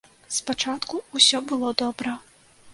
Спачатку ўсё было добра.